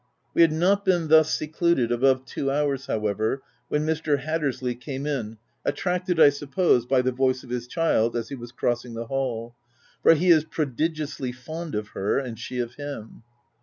We had not been thus secluded above two hours, how ever, when Mr. Hattersley came in attracted, I suppose, by the voice of his child as he was crossing the hall, for he is prodigiously fond of her, and she of him.